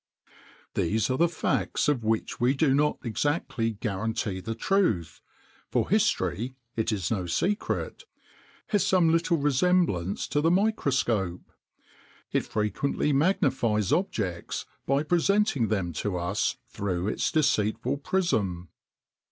[XXIX 12] These are facts of which we do not exactly guarantee the truth, for history it is no secret has some little resemblance to the microscope: it frequently magnifies objects by presenting them to us through its deceitful prism.